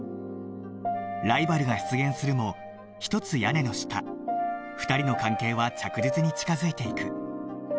ライバルが出現するも一つ屋根の下２人の関係は着実に近づいていく